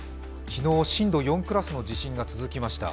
昨日、震度４クラスの地震が続きました。